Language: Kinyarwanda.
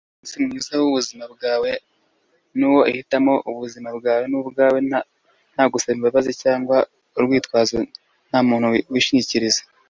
umunsi mwiza wubuzima bwawe nuwo uhitamo ubuzima bwawe nubwawe nta gusaba imbabazi cyangwa urwitwazo ntamuntu wishingikiriza